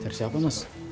cari siapa mas